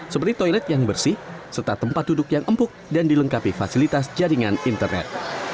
seperti toilet yang bersih serta tempat duduk yang empuk dan dilengkapi fasilitas jaringan internet